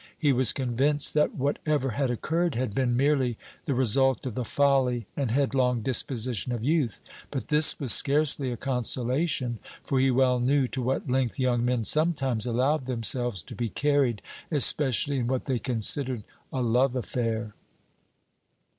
He was convinced that whatever had occurred had been merely the result of the folly and headlong disposition of youth, but this was scarcely a consolation, for he well knew to what length young men sometimes allowed themselves to be carried, especially in what they considered a love affair.